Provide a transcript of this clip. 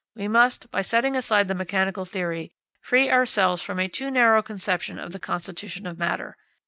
We must, by setting aside the mechanical theory, free ourselves from a too narrow conception of the constitution of matter.